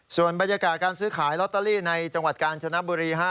ส่วนบรรยากาศการซื้อขายลอตเตอรี่ในจังหวัดกาญจนบุรี